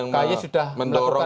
ky sudah melakukan antisipasi